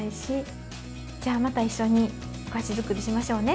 じゃあまた一緒にお菓子づくりしましょうね。